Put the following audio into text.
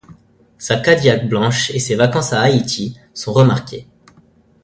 Sa Cadillac blanche et ses vacances à Haïti sont remarquées.